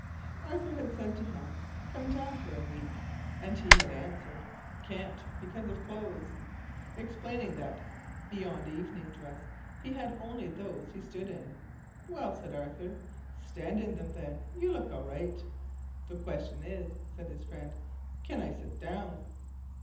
Arthur had said to him, "Come down for a week," and he had answered, "Can't, because of clothes!" explaining that beyond evening dress he had only those he stood in. "Well," said Arthur, "stand in them, then; you look all right." "The question is," said his friend, "can I sit down?"